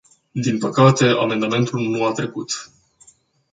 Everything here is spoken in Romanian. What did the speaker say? Din păcate, amendamentul nu a trecut.